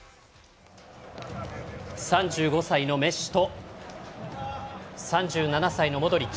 ３５歳のメッシと３７歳のモドリッチ。